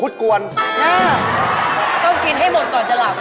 ต้องกินให้หมดก่อนจะหลับ